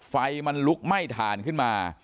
ไฟมันลุกไหม้ฐานขึ้นมา